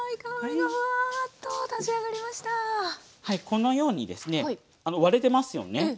このようにですね割れてますよね。